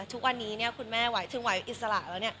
ทุกวันนี้คุณแม่ไหวถึงไหวอิสระแล้ว